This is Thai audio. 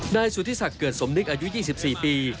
นายสุธิศักดิ์เกิดสมนึกอายุ๒๔ปี